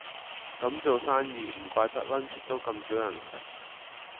咁做生意唔怪得 lunch 都咁少人食